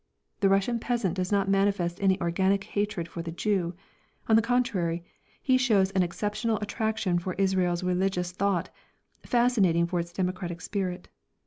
The Russian peasant does not manifest any organic hatred for the Jew, on the contrary, he shows an exceptional attraction for Israel's religious thought, fascinating for its democratic spirit.